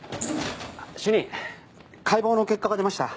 主任解剖の結果が出ました。